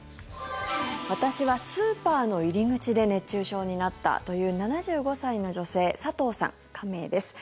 私はスーパーの入り口で熱中症になったという７５歳の女性佐藤さん、仮名です。